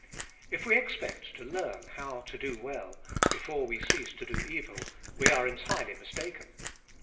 If we expect to "learn" how "to do well," before we "cease to do evil," we are entirely mistaken.